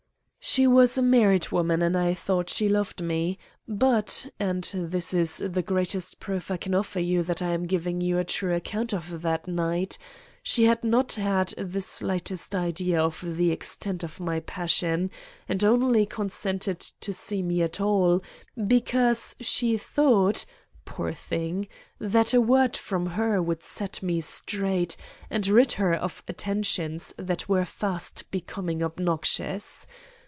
"'She was a married woman and I thought she loved me; but—and this is the greatest proof I can offer you that I am giving you a true account of that night—she had not had the slightest idea of the extent of my passion, and only consented to see me at all because she thought, poor thing, that a word from her would set me straight, and rid her of attentions that were fast becoming obnoxious.